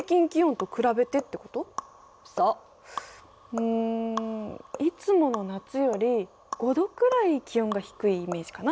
うんいつもの夏より５℃くらい気温が低いイメージかな。